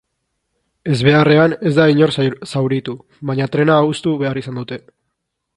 Ezbeharrean ez da inor zauritu, baina trena hustu behar izan dute.